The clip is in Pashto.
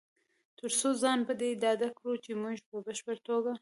تر څو ځان په دې ډاډه کړو چې مونږ په بشپړ توګه